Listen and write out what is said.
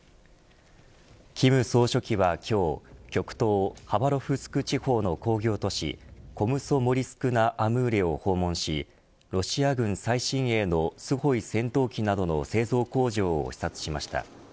金総書記は今日極東ハバロフスク地方の工業都市コムソモリスクナアムーレを訪問しロシア軍最新鋭のスホイ戦闘機などの製造工場を視察しました。